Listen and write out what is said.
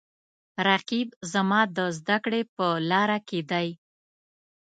رقیب زما د زده کړې په لاره کې دی